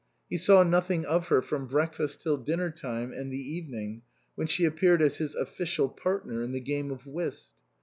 He saw nothing of her from break fast till dinner time and the evening, when she appeared as his official partner in the game of whist.